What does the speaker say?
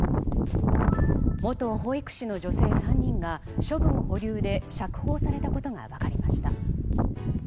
元保育士の女性３人が処分保留で釈放されたことが分かりました。